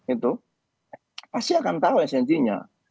itu pasti akan tahu esensinya